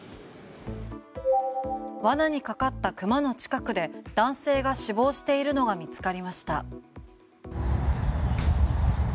罠にかかった熊の近くで男性が死亡しているのが見つかりました。